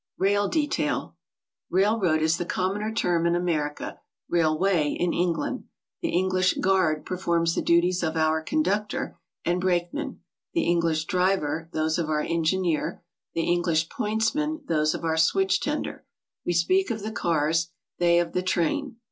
RAIL DETAIL. "Railroad'^ is the commoner term in America; ''railway" in England. The English "guard" performs the duties of our "conductor" and "brakeman"; the English "driver" those of our "engineer"; the English "pointsman" those of our "switchtender." We speak of the "cars," they of the "train."